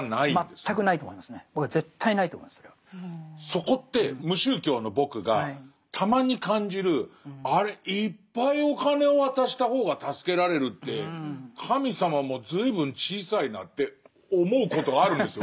そこって無宗教の僕がたまに感じるあれいっぱいお金を渡した方が助けられるって神様も随分小さいなって思うことがあるんですよ